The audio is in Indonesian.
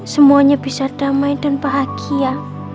semuanya bisa damai dan bahagia